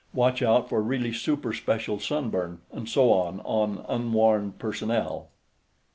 (Watch out for really super special sunburn, etc., on unwarned personnel.)